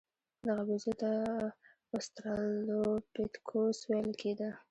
دغه بیزو ته اوسترالوپیتکوس ویل کېده.